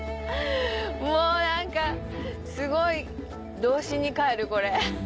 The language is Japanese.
もう何かすごい童心に帰るこれ。